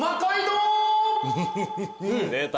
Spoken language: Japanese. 出た。